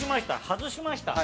外しました。